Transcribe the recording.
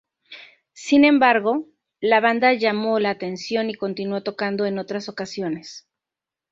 Sin embargo, la banda llamó la atención y continuó tocando en otras ocasiones.